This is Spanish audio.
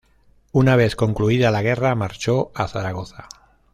Una vez concluida la guerra, marchó a Zaragoza.